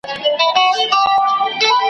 دا متل مو د نیکونو له ټبر دی `